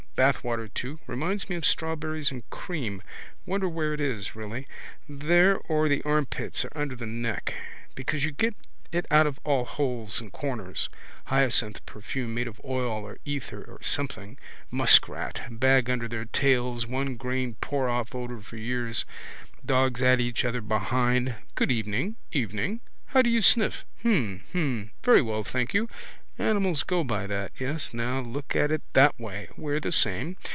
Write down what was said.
Bathwater too. Reminds me of strawberries and cream. Wonder where it is really. There or the armpits or under the neck. Because you get it out of all holes and corners. Hyacinth perfume made of oil of ether or something. Muskrat. Bag under their tails. One grain pour off odour for years. Dogs at each other behind. Good evening. Evening. How do you sniff? Hm. Hm. Very well, thank you. Animals go by that. Yes now, look at it that way. We're the same.